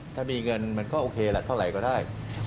ถ้ามีเงินมันก็โอเคแหละเท่าไหร่ก็ได้